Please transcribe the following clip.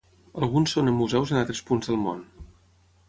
Alguns són en museus en altres punts del món.